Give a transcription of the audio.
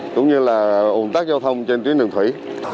cũng như là ồn tắc giao thông trên tuyến đường thủy